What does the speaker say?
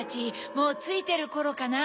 もうついてるころかな？